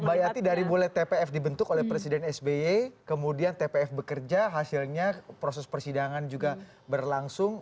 mbak yati dari mulai tpf dibentuk oleh presiden sby kemudian tpf bekerja hasilnya proses persidangan juga berlangsung